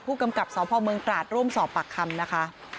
ผู้กำกับสาธารณ์พลเมืองกราศร่วมสอบปากคำนะคะ